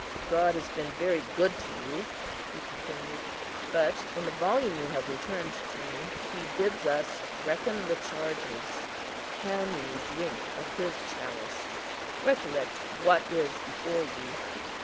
"God has been very good to you," he continued; "but in the volume you have returned to me He bids us 'reckon the charges.' Can you drink of His chalice? Recollect what is before you."